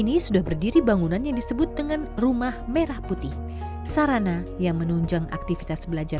membuat warga desa kiniwibi tergerak untuk menjadi lebih maju dan berdaya